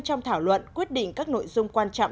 trong thảo luận quyết định các nội dung quan trọng